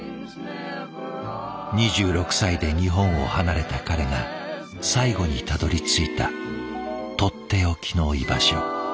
２６歳で日本を離れた彼が最後にたどりついたとっておきの居場所。